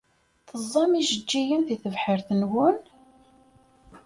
Teẓẓam ijeǧǧigen deg tebḥirt-nwen?